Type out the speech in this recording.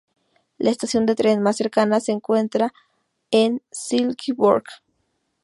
La estación de tren más cercana se encuentra a en Silkeborg.